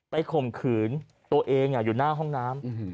ข่มขืนตัวเองอยู่หน้าห้องน้ำ